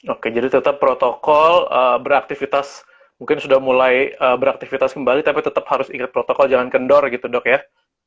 oke jadi tetap protokol beraktivitas mungkin sudah mulai beraktivitas kembali tapi tetap harus ikut protokol jangan kendor gitu dok ya